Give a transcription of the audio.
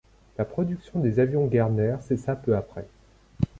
La production des avions Gerner cessa peu après.